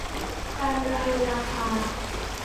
การประมูลราคา